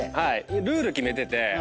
ルール決めてて。